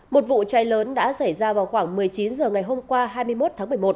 một vụ cháy lớn đã xảy ra vào khoảng một mươi chín h ngày hôm qua hai mươi một tháng một mươi một